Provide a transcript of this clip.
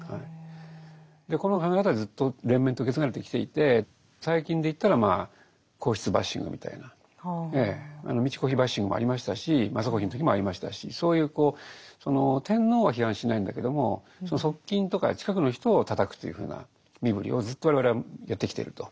この考え方はずっと連綿と受け継がれてきていて最近で言ったらまあ皇室バッシングみたいな美智子妃バッシングもありましたし雅子妃の時もありましたしそういう天皇は批判しないんだけどもその側近とか近くの人をたたくというふうな身振りをずっと我々はやってきていると。